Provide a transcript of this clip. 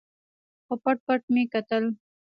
او پټ پټ مې کتل.